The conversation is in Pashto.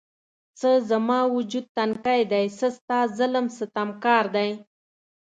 څه زما وجود تنکی دی، څه ستا ظلم ستم کار دی